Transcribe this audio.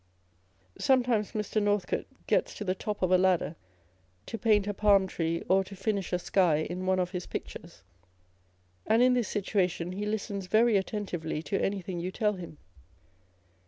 Sometimes Mr. Northcote gets to the top of a ladder to paint a palm tree or to finish a sky in one of his pictures; and in this situation he listens very attentively to anything you tell him.